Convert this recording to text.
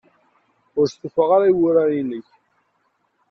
Ur stufaɣ ara i wurar-nnek.